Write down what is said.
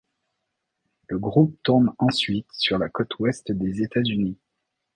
Le groupe tourne ensuite sur la côte ouest des États-Unis.